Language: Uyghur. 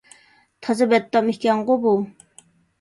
تازا بەتتام ئىكەنغۇ بۇ.